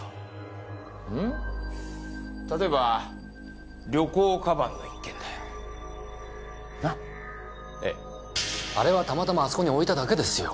例えば旅行鞄の一件だよ。な？ええ。あれはたまたまあそこに置いただけですよ。